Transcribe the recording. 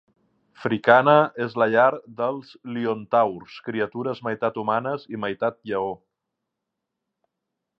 Fricana és la llar dels liontaurs, criatures meitat humanes i meitat lleó.